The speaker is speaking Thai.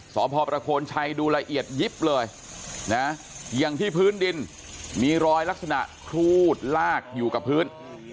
สพประโคนชัยดูละเอียดยิบเลยนะอย่างที่พื้นดินมีรอยลักษณะครูดลากอยู่กับพื้น